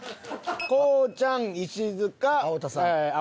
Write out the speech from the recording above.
コウちゃん石塚青田さん。